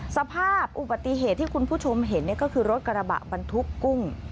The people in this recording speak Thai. สภาพอุบัติเหตุที่คุณผู้ชมเห็นก็คือรถกระบะบรรทุกกุ้ง